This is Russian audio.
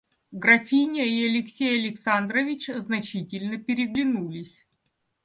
Графиня и Алексей Александрович значительно переглянулись.